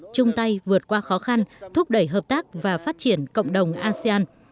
chung tay vượt qua khó khăn thúc đẩy hợp tác và phát triển cộng đồng asean